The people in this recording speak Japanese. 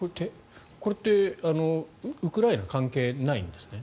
これってウクライナは関係ないんですね？